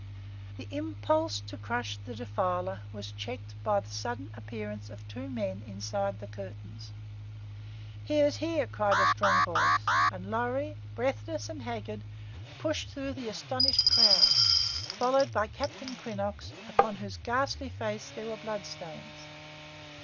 The impulse to crush the defiler was checked by the sudden appearance of two men inside the curtains. "He is here!" cried a strong voice, and Lorry, breathless and haggard, pushed through the astonished crowd, followed by Captain Quinnox, upon whose ghastly face there were bloodstains.